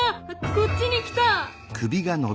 こっちに来た！